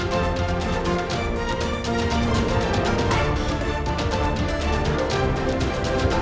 saya budi adiputro selamat malam